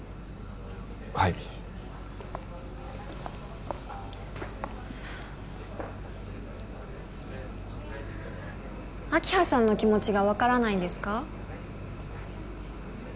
はい明葉さんの気持ちが分からないんですか？